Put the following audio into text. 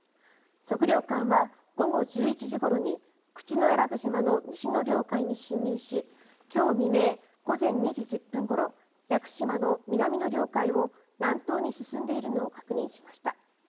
測量艦は午後１１時ごろに口永良部島の西の領海に侵入し今日未明午前２時１０分ごろ屋久島の南の領海を南東に進んでいるのを確認しました。